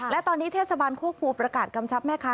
และตอนนี้เทศบันคั่วครูประกาศกำชับแม่คะ